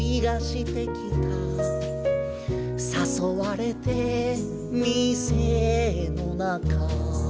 「さそわれて店のなか」